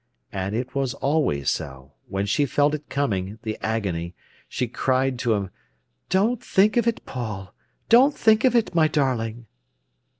And it was always so. When she felt it coming, the agony, she cried to him: "Don't think of it, Paul! Don't think of it, my darling!"